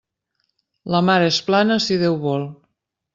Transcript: La mar és plana si Déu vol.